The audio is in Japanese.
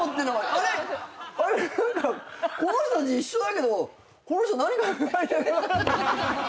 あれっ？何かこの人たち一緒だけどこの人何考えてんだろ。